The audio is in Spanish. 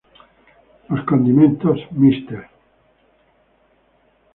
Los condimentos Mrs.